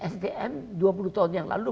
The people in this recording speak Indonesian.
sdm dua puluh tahun yang lalu